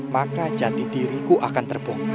maka jati diriku akan terbongkar